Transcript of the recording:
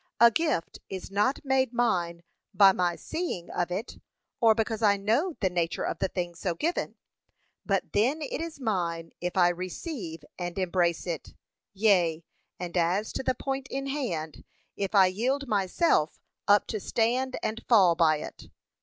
A gift is not made mine by my seeing of it, or because I know the nature of the thing so given; but then it is mine if I receive and embrace it, yea, and as to the point in hand, if I yield myself up to stand and fall by it.